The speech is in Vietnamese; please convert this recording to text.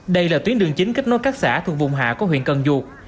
đây là tuyến đường chính kết nối các xã thuộc vùng hạ của huyện cần duột